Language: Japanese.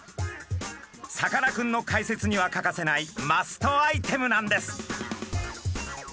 さかなクンの解説には欠かせないマストアイテムなんです。